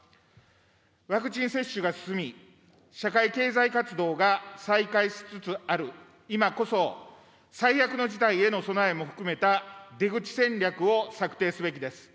ワクチン接種が進み、社会経済活動が再開しつつある今こそ、最悪の事態への備えも含めた出口戦略を策定すべきです。